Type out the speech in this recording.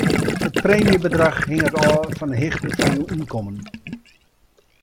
It preemjebedrach hinget ôf fan 'e hichte fan jo ynkommen.